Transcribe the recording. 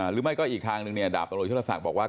หรือไม่ก็อีกทางนึงดาบโรยิชทศักรณ์บอกว่า